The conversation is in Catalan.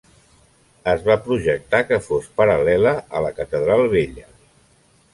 Es va projectar que fos paral·lela a la catedral Vella.